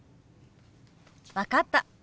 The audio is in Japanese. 分かった。